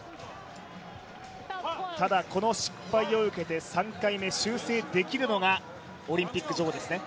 ただ、この失敗を受けて３回目、修正できるのがオリンピック女王ですね。